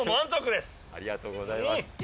ありがとうございます。